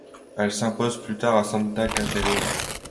Elle s'impose plus tard à Santa Caterina.